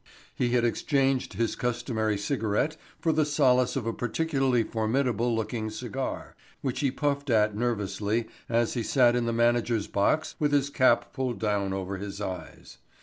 He had exchanged his customary cigarette for the solace of a particularly formidable looking cigar which he puffed at nervously as he sat in the manager's box with his cap pulled down over his eyes.